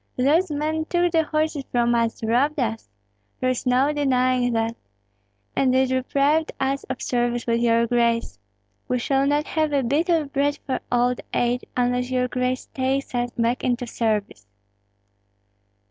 Those men took the horses from us, robbed us, there is no denying that! And they deprived us of service with your grace. We shall not have a bit of bread for old age, unless your grace takes us back into service."